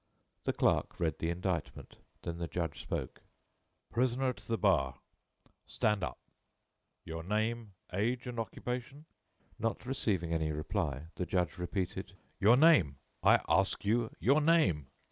The clerk read the indictment, then the judge spoke: "Prisoner at the bar, stand up. Your name, age, and occupation?" Not receiving any reply, the judge repeated: "Your name? I ask you your name?"